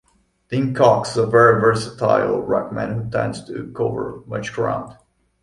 Dean Cox is a very versatile ruckman, who tends to cover much ground.